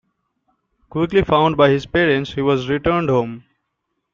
Quickly found by his parents he was returned home.